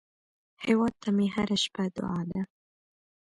هیواد ته مې هره شپه دعا ده